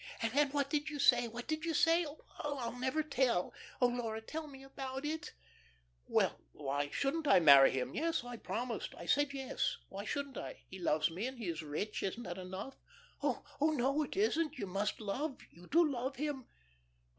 "And what did you say? What did you say? Oh, I'll never tell. Oh, Laura, tell me all about it." "Well, why shouldn't I marry him? Yes I promised. I said yes. Why shouldn't I? He loves me, and he is rich. Isn't that enough?" "Oh, no. It isn't. You must love you do love him?"